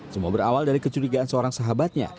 semua berawal dari kecurigaan seorang sahabatnya